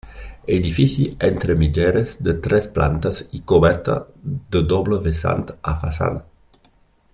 Edifici entre mitgeres de tres plantes i coberta de doble vessant a façana.